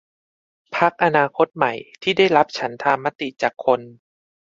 พรรคอนาคคใหม่ ที่ได้รับฉันทามติจากคน